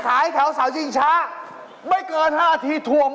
เอาไปใส่จิ้มจุ่มไปบัง